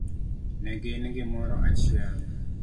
Ne gin gimoro achiel